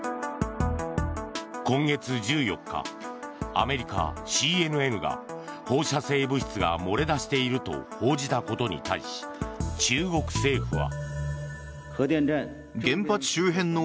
今月１４日、アメリカＣＮＮが放射性物質が漏れ出していると報じたことに対し中国政府は。